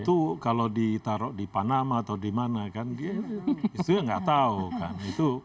itu kalau ditaruh di panama atau di mana kan istri tidak tahu